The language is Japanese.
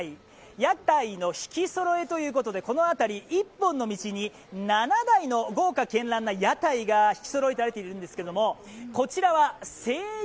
屋台のひきそろえということで、この辺り、１本の道に７台の豪華絢爛な屋台がひきそろえられているんです。